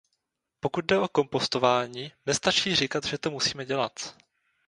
Pokud jde o kompostování, nestačí říkat, že to musíme dělat.